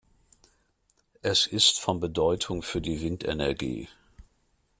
Es ist von Bedeutung für die Windenergie.